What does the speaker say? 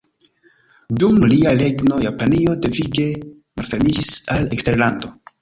Dum lia regno Japanio devige malfermiĝis al eksterlando.